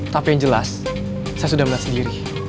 tapi yang jelas saya sudah melihat sendiri